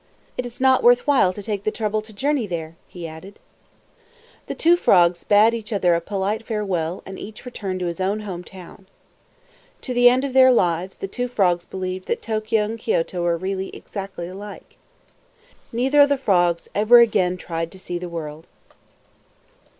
"It is not worth while to take the trouble to journey there!" he added disdainfully. The two frogs bade each other a polite farewell, and each returned to his own home town. To the end of their lives, the two frogs believed that Tokio and Kioto were really exactly alike. Neither of the frogs ever again tried to see the world.